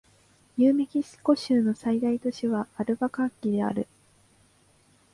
ニューメキシコ州の最大都市はアルバカーキである